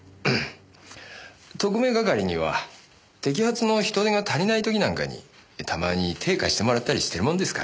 特命係には摘発の人手が足りない時なんかにたまに手貸してもらったりしてるもんですから。